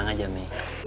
nang aja mi